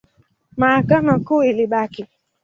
Mahakama Kuu ilibaki.